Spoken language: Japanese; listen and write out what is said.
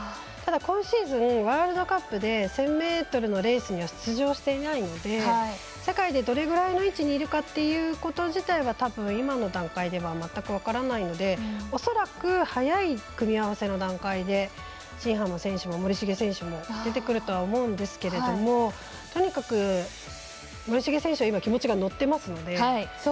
ただ、今シーズンワールドカップで１０００ｍのレースには出場していないので世界でどれぐらいの位置にいるかというのは今の段階では全く分からないので恐らく早い組み合わせの段階で新濱選手も森重選手も出てくると思うんですけれどもとにかく、森重選手は今、気持ちが乗っていますから。